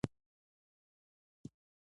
زه پر دې نپوهېدم